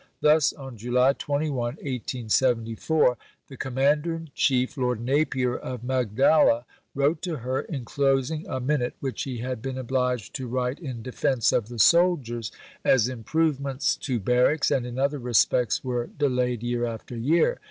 Thus, on July 21, 1874, the Commander in Chief, Lord Napier of Magdala, wrote to her, enclosing a Minute which he had "been obliged to write in defence of the soldiers," as improvements to barracks and in other respects were "delayed year after year."